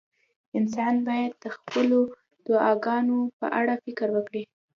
انسان باید د خپلو دعاګانو په اړه فکر وکړي.